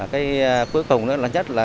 cái cuối cùng nữa là nhất là